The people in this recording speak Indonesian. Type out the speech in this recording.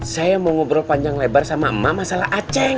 saya mau ngobrol panjang lebar sama ma masalah aceng